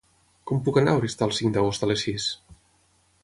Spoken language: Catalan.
Com puc anar a Oristà el cinc d'agost a les sis?